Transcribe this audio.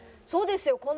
そうですよ。